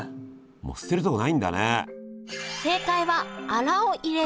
もう捨てるとこないんだね。